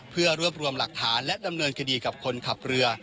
เพื่อรวบรวมหลักฐานและดำเนินคดีกับคนขับเรือ